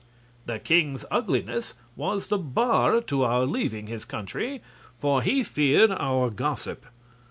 The king's ugliness was the bar to our leaving his country, for he feared our gossip.